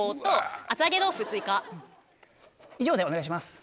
以上でお願いします。